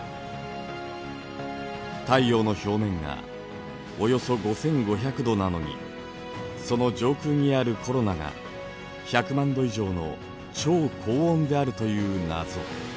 太陽の表面がおよそ５，５００度なのにその上空にあるコロナが１００万度以上の超高温であるという謎。